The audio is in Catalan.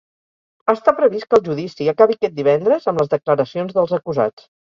Està previst que el judici acabi aquest divendres amb les declaracions dels acusats.